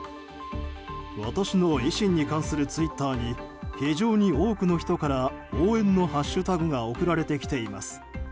私の維新に関するツイートに非常に多くの人から応援のハッシュタグが送られてきています。